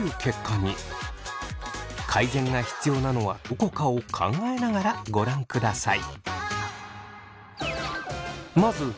改善が必要なのはどこかを考えながらご覧ください。